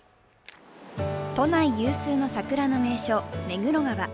都内有数の桜の名所、目黒川。